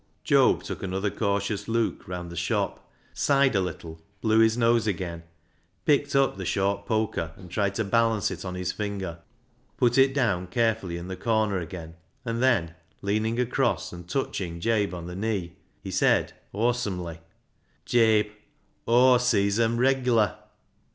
Job took another cautious look round the shop, sighed a Httle, blew his nose again, picked up the short poker and tried to balance it on his finger, put it down carefully in the corner again, and then, leaning across and touching Jabe on the knee, he said, awesomely — "Jabe^ Aiv sees ^em reglar."